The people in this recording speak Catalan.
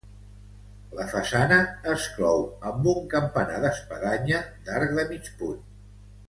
La façana es clou amb un campanar d'espadanya d'arc de mig punt.